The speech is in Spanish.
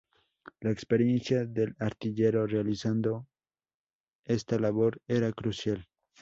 La experiencia del artillero realizando esta labor era crucial.